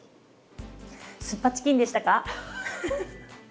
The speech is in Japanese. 酢っぱチキンでしたか？